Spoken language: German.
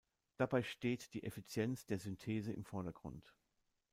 Dabei steht die Effizienz der Synthese im Vordergrund.